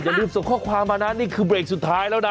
ลืมส่งข้อความมานะนี่คือเบรกสุดท้ายแล้วนะ